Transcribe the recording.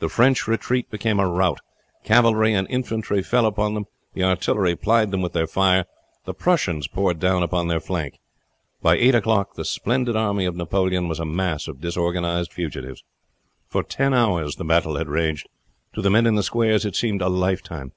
The French retreat became a rout, cavalry and infantry fell upon them, the artillery plied them with their fire, the Prussians poured down upon their flank. By eight o'clock the splendid army of Napoleon was a mass of disorganized fugitives. For ten hours the battle had raged. To the men in the squares it seemed a lifetime.